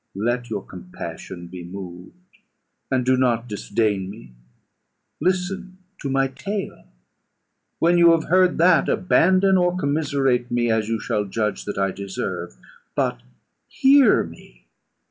Let your compassion be moved, and do not disdain me. Listen to my tale: when you have heard that, abandon or commiserate me, as you shall judge that I deserve. But hear me.